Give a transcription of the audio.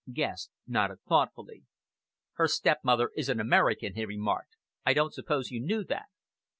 Guest nodded thoughtfully. "Her stepmother is an American," he remarked. "I don't suppose you knew that?"